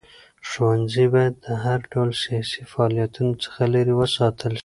ښوونځي باید د هر ډول سیاسي فعالیتونو څخه لرې وساتل شي.